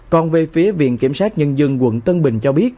còn về phía viện kiểm sát nhân dân quận tân bình cho biết